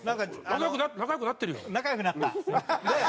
仲良くなってるよ！